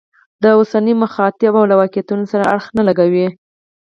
د اوسني مخاطب له واقعیتونو سره اړخ نه لګوي.